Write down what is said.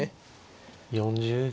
４０秒。